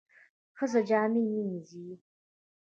ښځه جامې مینځي.